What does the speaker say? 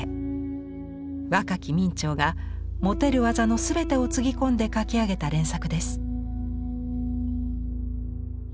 若き明兆が持てる技のすべてをつぎ込んで描き上げた連作です。